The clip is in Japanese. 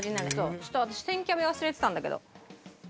ちょっと私千キャベ忘れてたんだけど。